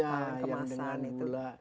ya yang dengan gula